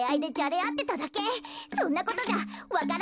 そんなことじゃわか蘭